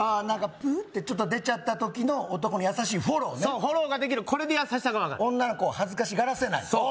プウってちょっと出ちゃった時の男の優しいフォローねそうフォローができるこれで優しさが分かる女の子を恥ずかしがらせないそう